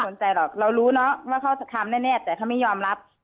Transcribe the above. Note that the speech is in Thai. ใจหรอกเรารู้เนอะว่าเขาจะทำแน่แต่เขาไม่ยอมรับ